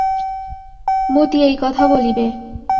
মতি এই কথা বলিবে!